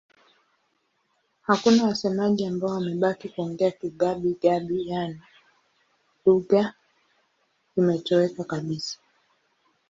Hakuna wasemaji ambao wamebaki kuongea Kigabi-Gabi, yaani lugha imetoweka kabisa.